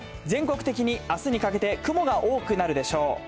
全国的にあすにかけて雲が多くなるでしょう。